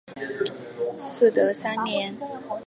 嗣德三年。